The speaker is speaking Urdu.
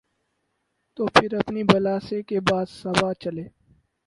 تو پھر اپنی بلا سے کہ باد صبا چلے۔